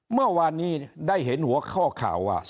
เมื่อวานนี้ได้เห็นหัวข้อข่าวว่า